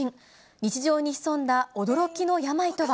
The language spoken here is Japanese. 日常に潜んだ驚きの病とは。